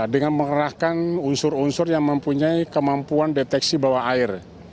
dengan mengerahkan unsur unsur yang mempunyai kemampuan deteksi bawah air